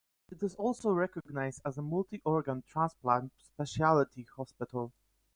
It is also recognised as a multi-organ transplant specialty hospital.